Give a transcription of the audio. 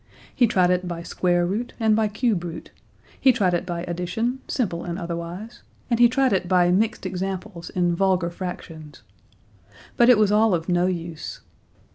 He tried it by square root and by cube root. He tried it by addition, simple and otherwise, and he tried it by mixed examples in vulgar fractions. But it was all of no use.